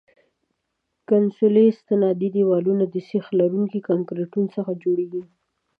کنسولي استنادي دیوالونه د سیخ لرونکي کانکریټو څخه جوړیږي